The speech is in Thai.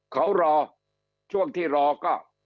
เขารอช่วงที่รอก็